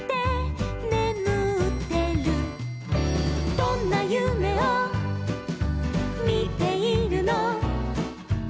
「どんなゆめをみているの」